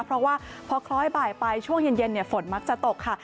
เพราะว่าพอคล้อยบ่ายไปช่วงเย็นฝนมักจะตกค่ะ